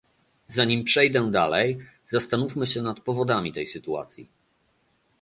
Zanim przejdę dalej, zastanówmy się nad powodami tej sytuacji